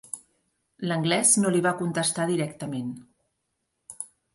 L'Anglès no li va contestar directament.